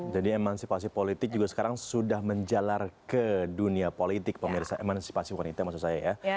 jadi emansipasi politik juga sekarang sudah menjalar ke dunia politik emansipasi wanita maksud saya ya